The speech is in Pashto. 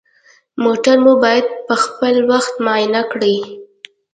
موټر مو باید پخپل وخت معاینه کړئ.